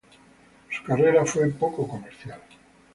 Su carrera fue poco comercial.